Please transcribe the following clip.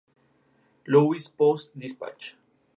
Hoy en día es el parque más extenso de toda la ciudad.